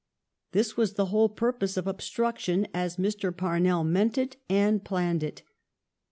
This was the whole purpose of obstruction as Mr. Parnell meant it and planned it.